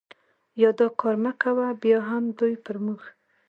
یا دا کار مه کوه، بیا هم دوی پر موږ.